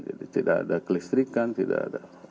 jadi tidak ada kelistrikan tidak ada